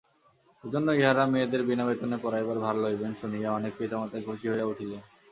এজন্য ইঁহারা মেয়েদের বিনা বেতনে পড়াইবার ভার লইবেন শুনিয়া অনেক পিতামাতাই খুশি হইয়া উঠিলেন।